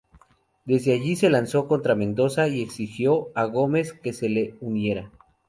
Desde allí se lanzó contra Mendoza, y exigió a Gómez que se le uniera.